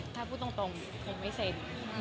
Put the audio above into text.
ถ้าพูดตรงคงไม่เซ็น